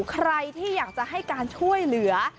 ใครที่อยากจะให้การช่วยเหลือ